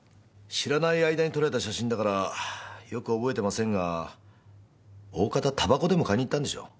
知らない間に撮られた写真だからよく覚えてませんが大方タバコでも買いに行ったんでしょう。